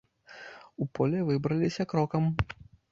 У поле выбраліся крокам.